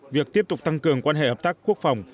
việc tiếp tục tăng cường quan hệ hợp tác quốc phòng